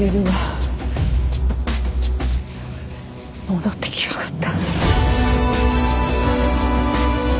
戻ってきやがった。